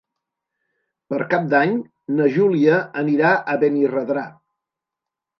Per Cap d'Any na Júlia anirà a Benirredrà.